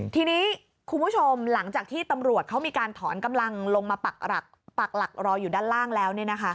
ทีนี้คุณผู้ชมหลังจากที่ตำรวจเขามีการถอนกำลังลงมาปักหลักรออยู่ด้านล่างแล้ว